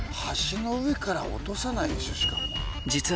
橋の上から落とさないでしょしかも。